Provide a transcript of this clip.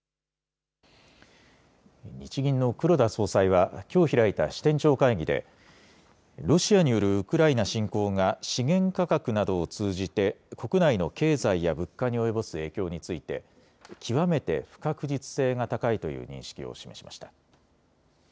日銀の黒田総裁はきょう開いた支店長会議でロシアによるウクライナ侵攻が資源価格などを通じて国内の経済や物価に及ぼす影響について極めて不確実性が高いという認識を示しました。